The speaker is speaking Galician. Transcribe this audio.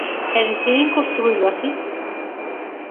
E decidín construílo así.